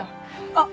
あっ！